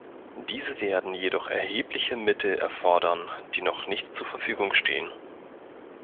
Diese werden jedoch erhebliche Mittel erfordern, die noch nicht zur Verfügung stehen.